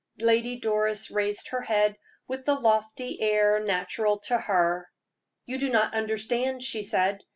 Lady Doris raised her head with the lofty air natural to her. "You do not understand," she said.